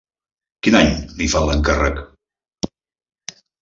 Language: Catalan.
Quin any li fan l'encàrrec?